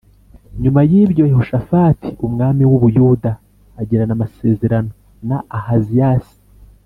Nyuma y ibyo Yehoshafati umwami w u Buyuda agirana amasezerano na Ahaziyasi